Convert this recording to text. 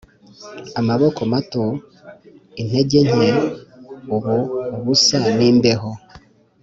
amaboko mato, intege nke, ubu ubusa n'imbeho,